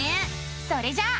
それじゃあ。